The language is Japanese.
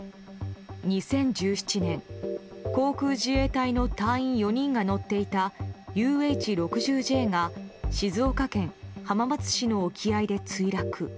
２０１７年、航空自衛隊の隊員４人が乗っていたＵＨ６０Ｊが静岡県浜松市の沖合で墜落。